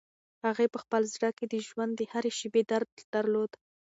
هغې په خپل زړه کې د ژوند د هرې شېبې درد درلود.